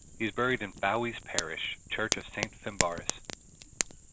He is buried in Fowey's parish church of Saint Fimbarrus.